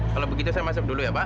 kalau begitu saya masuk dulu ya pak